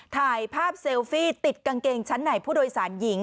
ถ่ายภาพเซลฟี่ติดกางเกงชั้นในผู้โดยสารหญิง